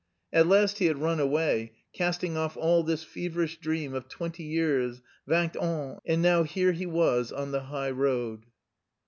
At last he had run away, casting off all this feverish dream of twenty years vingt ans and now here he was on the high road....